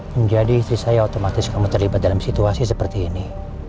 menjadi istri saya otomatis kamu terlibat dalam situasi seperti ini